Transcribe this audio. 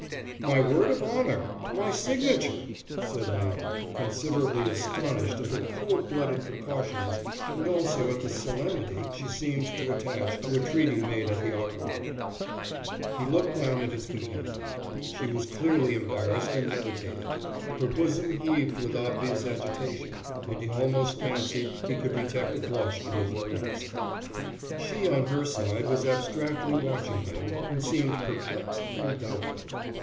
"My word of honor! My signature!" said Léon, considerably astonished at her cold blooded precautions and also at the solemnity she seemed to attach to a treaty made at the Opera Ball. He looked down at his companion. She was clearly embarrassed and meditative; her bosom heaved with obvious agitation; and he almost fancied he could detect a blush beneath her mask. She on her side was abstractedly watching him, and seemed perplexed and doubtful.